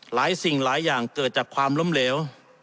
สิ่งหลายอย่างเกิดจากความล้มเหลว